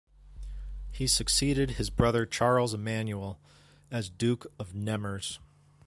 He succeeded his brother Charles Emmanuel as Duke of Nemours.